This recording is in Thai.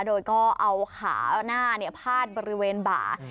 โดยก็เอาขาหน้าพาดบริเวณบ่า